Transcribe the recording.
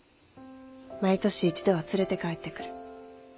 毎年一度は連れて帰ってくる。